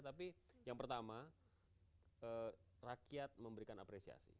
tapi yang pertama rakyat memberikan apresiasi